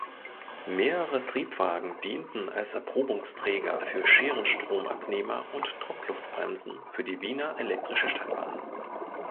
Mehrere Triebwagen dienten als Erprobungsträger für Scherenstromabnehmer und Druckluftbremsen für die Wiener Elektrische Stadtbahn.